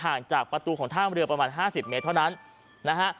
ผ่างจากประตูของถ้ามเรือประมาณห้าสิบเมตรเท่านั้นนะฮะ